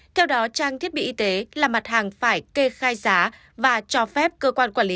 theo đó trang thiết bị y tế là mặt hàng phải kê khai giá và cho phép cơ quan quản lý